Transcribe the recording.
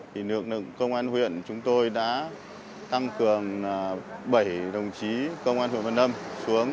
thì nước công an huyện chúng tôi đã tăng cường bảy đồng chí công an huyện vân âm xuống